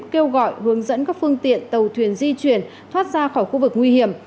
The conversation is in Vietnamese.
kêu gọi hướng dẫn các phương tiện tàu thuyền di chuyển thoát ra khỏi khu vực nguy hiểm